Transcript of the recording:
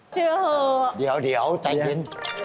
ชื่อคือเดี๋ยวใจเย็น